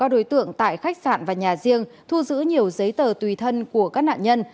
các đối tượng tại khách sạn và nhà riêng thu giữ nhiều giấy tờ tùy thân của các nạn nhân